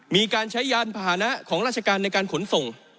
มีการใช้ยานพาหนะของราชการในการขนส่ง